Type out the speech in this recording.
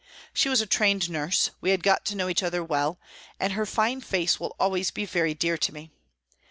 She was a trained nurse, we had got to know each other well, and her fine face will always be very dear to me.